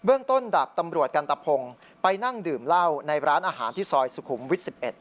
เรื่องต้นดาบตำรวจกันตะพงไปนั่งดื่มเหล้าในร้านอาหารที่ซอยสุขุมวิทย์๑๑